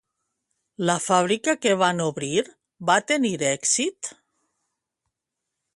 La fàbrica que van obrir va tenir èxit?